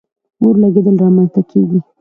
اور لګېدل را منځ ته کیږي.